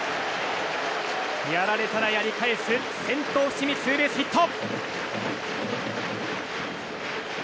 やられたらやり返す先頭、伏見、ツーベースヒット。